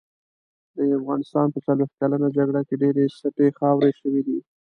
د افغانستان په څلوښت کلنه جګړه کې ډېرې سټې خاورې شوې دي.